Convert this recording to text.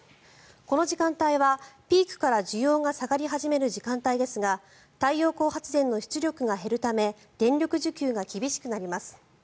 この時間帯はピークから需要が下がり始める時間帯ですが太陽光発電の出力が減るため電力需給が厳しくなります。